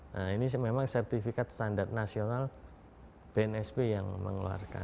nah ini memang sertifikat standar nasional bnsp yang mengeluarkan